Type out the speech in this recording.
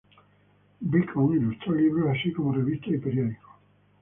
Bacon ilustró libros así como revistas y periódicos.